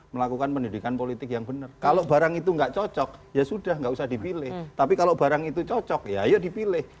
melakukan pendidikan politik yang benar kalau barang itu nggak cocok ya sudah nggak usah dipilih tapi kalau barang itu cocok ya ayo dipilih